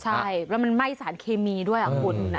ใช่แล้วมันไหม้สารเคมีด้วยคุณ